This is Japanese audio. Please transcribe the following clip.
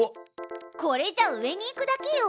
これじゃ上に行くだけよ。